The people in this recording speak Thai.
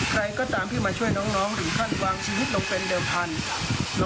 ใครก็ตามที่มาช่วยน้องถึงขั้นวางชีวิตลงเป็นเดิมพันธุ์